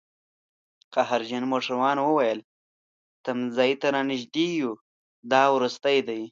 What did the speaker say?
قهرجن موټروان وویل: تمځي ته رانژدي یوو، دا وروستی دی